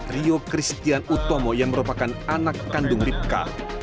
rio christian utomo yang merupakan anak kandung ripka